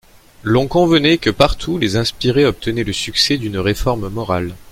L'on convenait que partout les inspirés obtenaient le succès d'une réforme morale.